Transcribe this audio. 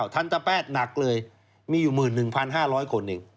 ทันตแพทย์หนักเลยมีอยู่๑๑๕๐๐คนเอง